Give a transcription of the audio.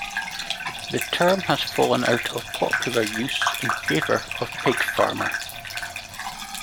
The term has fallen out of popular use in favour of pig farmer.